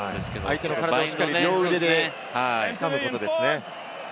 相手の体を両腕でつかむことですね。